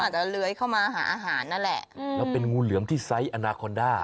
อาจจะเลื้อยเข้ามาหาอาหารนั่นแหละแล้วเป็นงูเหลือมที่ไซส์อนาคอนด้า